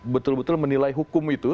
betul betul menilai hukum itu